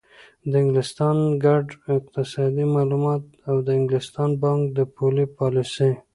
د انګلستان ګډ اقتصادي معلومات او د انګلستان بانک د پولي پالیسۍ